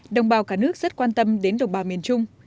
đồng bào cả nước rất quan tâm đến đồng bào miền trung